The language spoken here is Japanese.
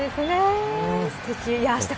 すてき。